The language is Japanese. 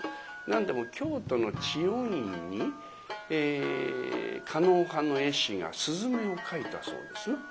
何でも京都の知恩院に狩野派の絵師が雀を描いたそうですな。